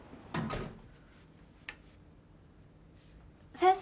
先生？